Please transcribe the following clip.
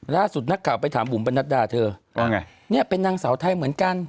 ล่าสุดนักข่าวไปถามบุ๋มประนัดดาเธอว่าไงเนี่ยเป็นนางสาวไทยเหมือนกัน